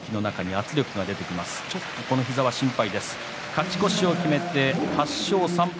玉正鳳、勝ち越しを決めて８勝３敗。